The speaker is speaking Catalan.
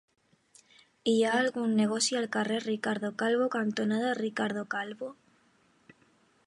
Hi ha algun negoci al carrer Ricardo Calvo cantonada Ricardo Calvo?